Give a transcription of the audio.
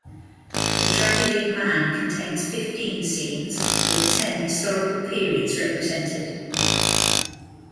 The Tragedy of Man contains fifteen scenes, with ten historical periods represented.